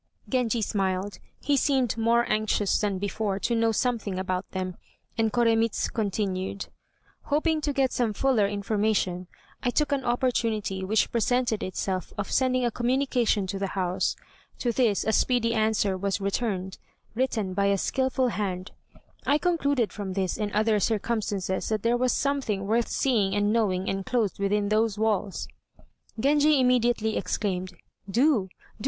Genji smiled. He seemed more anxious than before to know something about them, and Koremitz continued: "Hoping to get some fuller information, I took an opportunity which presented itself of sending a communication to the house. To this a speedy answer was returned, written by a skilful hand. I concluded from this and other circumstances that there was something worth seeing and knowing enclosed within those walls." Genji immediately exclaimed, "Do! do!